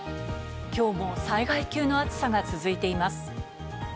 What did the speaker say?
きょうも災害級の暑さが続いています。